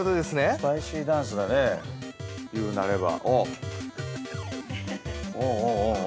◆スパイシーダンスだね、言うなれば。